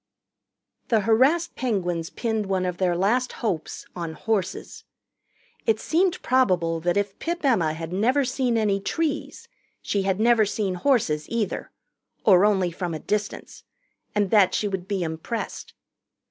The harassed Penguins pinned one of their last hopes on horses. It seemed probable that if Pip Emma had never seen any trees, she had never seen horses, either or only from a distance and that she would be impressed.